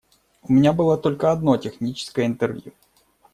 У меня было только одно техническое интервью.